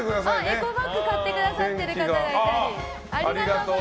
エコバッグ買ってくださってる方がいたり。